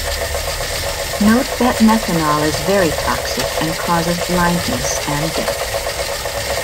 Note that methanol is very toxic and causes blindness and death.